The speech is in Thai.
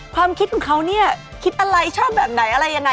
ความคิดของเขาคิดอะไรชอบแบบไหนอะไรอย่างไร